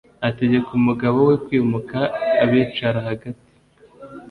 ategeka umugabo we kwimuka abicara hagati